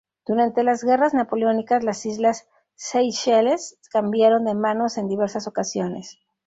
Durante las Guerras Napoleónicas las islas Seychelles cambiaron de manos en diversas ocasiones.